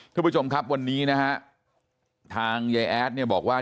ทุกผู้ชมครับวันนี้นะฮะทางยายแอดเนี่ยบอกว่า